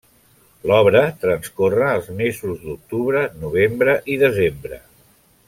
L'obra transcorre els mesos d'octubre, novembre i desembre.